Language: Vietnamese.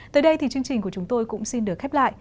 tới đây thì chương trình của chúng tôi cũng xin được khép lại